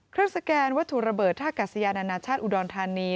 เครื่องสแกนวัตถุระเบิดทากัศยานานชาติอุดรธานี